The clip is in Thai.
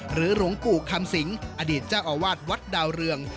หลวงปู่คำสิงอดีตเจ้าอาวาสวัดดาวเรือง